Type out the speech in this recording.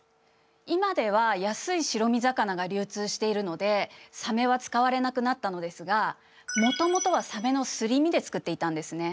今では安い白身魚が流通しているのでサメは使われなくなったのですがもともとはサメのすり身で作っていたんですね。